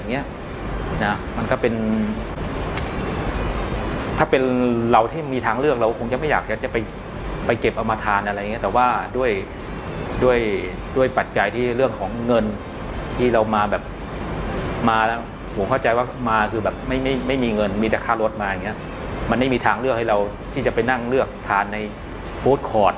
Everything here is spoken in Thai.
คุณสุพรสำอางเพชรเป็นรอพอด้วยกันที่คุณสุพรสำอางเพชรเป็นรอพอด้วยกันที่คุณสุพรสำอางเพชรเป็นรอพอด้วยกันที่คุณสุพรสำอางเพชรเป็นรอพอด้วยกันที่คุณสุพรสำอางเพชรเป็นรอพอด้วยกันที่คุณสุพรสำอางเพชรเป็นรอพอด้วยกันที่คุณสุพรสำอางเพชรเป็นรอพอด้วยกันที่คุณสุพรสำอางเพชรเป็นร